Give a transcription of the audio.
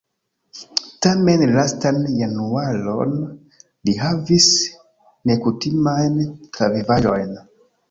Tamen la lastan januaron li havis nekutimajn travivaĵojn.